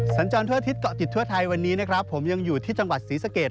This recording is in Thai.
สัญจรทั่วอาทิตยเกาะติดทั่วไทยวันนี้นะครับผมยังอยู่ที่จังหวัดศรีสะเกด